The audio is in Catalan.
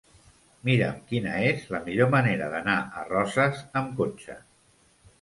Mira'm quina és la millor manera d'anar a Roses amb cotxe.